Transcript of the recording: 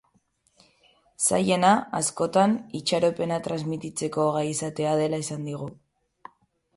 Zailena, askotan, itxaropena transmititzeko gai izatea dela esan digu.